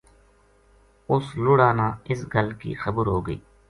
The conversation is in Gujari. اُس لڑ ا نا اس گل کی خبر ہو گئی